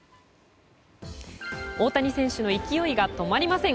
大谷選手の勢いが止まりません。